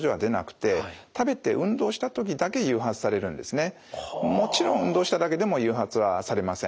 この病態はですねもちろん運動しただけでも誘発はされません。